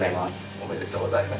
おめでとうございます。